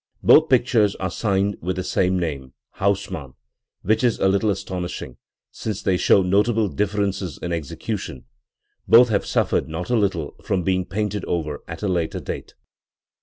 Both pic tures are signed with the same name Hausmann which is a little astonishing, since they show notable differences in execution; both have suffered not a little from being painted over at a later date*.